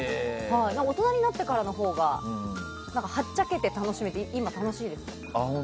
大人になってからのほうがはっちゃけて楽しめるので楽しいですね。